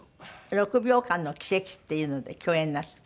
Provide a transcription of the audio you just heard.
『６秒間の軌跡』っていうので共演なすった。